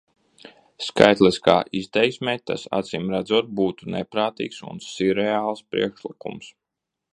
Skaitliskā izteiksmē tas acīmredzot būtu neprātīgs un sirreāls priekšlikums.